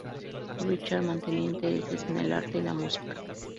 Richards mantenía intereses en el arte y la música.